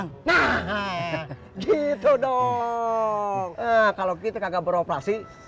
nah kalau gitu kagak beroperasi